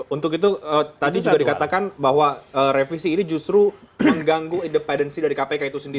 untuk itu tadi juga dikatakan bahwa revisi ini justru mengganggu independensi dari kpk itu sendiri